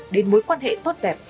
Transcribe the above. đến mối quan hệ tốt đẹp